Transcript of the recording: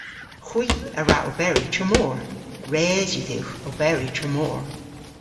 Hwi a wra oberi tramor. Res yw dhywgh oberi tramor.